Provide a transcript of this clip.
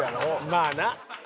まあな。